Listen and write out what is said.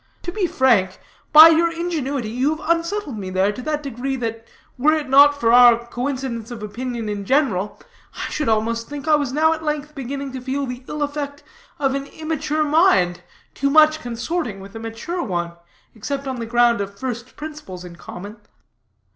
To be frank, by your ingenuity you have unsettled me there, to that degree that were it not for our coincidence of opinion in general, I should almost think I was now at length beginning to feel the ill effect of an immature mind, too much consorting with a mature one, except on the ground of first principles in common."